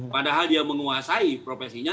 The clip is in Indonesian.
padahal dia menguasai profesinya